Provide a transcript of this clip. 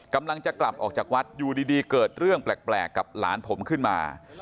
กำลังจะกลับออกจากวัดอยู่ดีเกิดเรื่องแปลกกับหลานผมขึ้นมา